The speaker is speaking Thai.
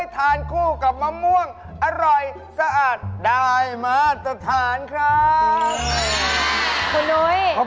ทานคู่กับมะม่วงอร่อยสะอาดได้มาตรฐานครับคุณนุ้ย